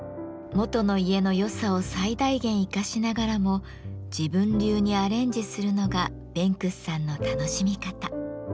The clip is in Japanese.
元の家の良さを最大限生かしながらも自分流にアレンジするのがベンクスさんの楽しみ方。